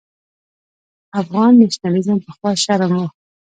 افغان نېشنلېزم پخوا شرم و.